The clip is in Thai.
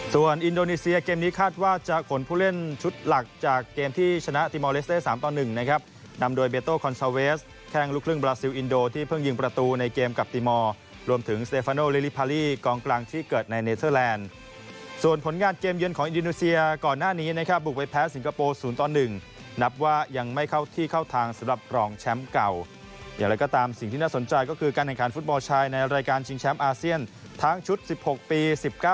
ส่วนอินโดนีเซียเกมนี้คาดว่าจะขนผู้เล่นชุดหลักจากเกมที่ชนะทีมอลเลสเตส๓๑นะครับนำโดยเบโต้คอลทราเวสแข้งลูกครึ่งบราซิลอินโดที่เพิ่งยิงประตูในเกมกับทีมอลร่วมถึงสเตฟานโนเรลีแพรรีกองกลางที่เกิดในเนเธอแลนด์ส่วนผลงานเกมเยินของอินโดนีเซียก่อนหน้านี้ในค่